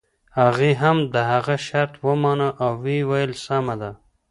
هغې هم د هغه شرط ومانه او ويې ويل سمه ده.